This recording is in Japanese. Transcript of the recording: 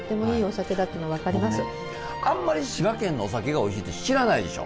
あんまり滋賀県のお酒がおいしいって知らないでしょ。